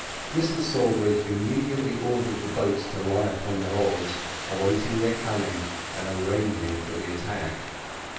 Mr Sawbridge immediately ordered the boats to lie upon their oars, awaiting their coming, and arranging for the attack.